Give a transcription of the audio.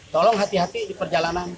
tolong hati hati di perjalanan